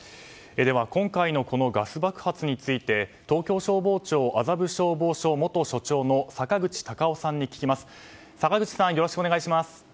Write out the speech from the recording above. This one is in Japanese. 今回のガス爆発について東京消防庁麻布消防署元署長の坂口隆夫さんに聞きます。